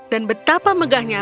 dan betapa megahnya